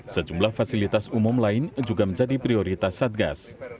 sejumlah fasilitas umum lain juga menjadi prioritas satgas